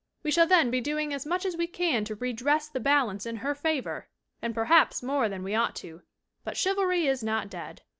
We shall then be doing as much as we can to redress the balance in her favor and perhaps more than we ought to do. But chivalry is not dead.